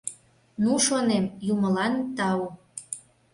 Ну, шонем, юмылан тау!